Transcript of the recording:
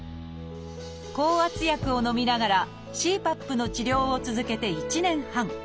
降圧薬をのみながらＣＰＡＰの治療を続けて１年半。